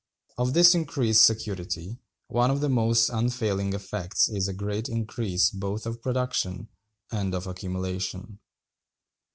Of this increased security, one of the most unfailing effects is a great increase both of production and of accumulation.